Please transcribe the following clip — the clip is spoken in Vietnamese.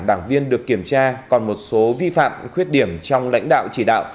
đảng viên được kiểm tra còn một số vi phạm khuyết điểm trong lãnh đạo chỉ đạo